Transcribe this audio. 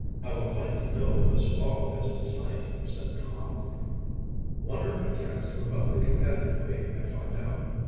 "I would like to know if the Swallow is in sight," said Tom. "Wonder if I can't slip up the companion way and find out?"